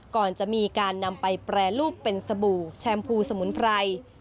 ก่อนจะมีการนำไปแปรรูปเป็นสบู่แชมพูสมุนไพร